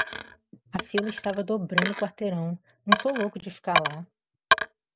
A fila estava dobrando o quarteirão. Não sou louco de ficar lá.